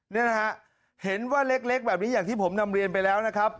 นี่นะฮะเห็นว่าเล็กแบบนี้อย่างที่ผมนำเรียนไปแล้วนะครับ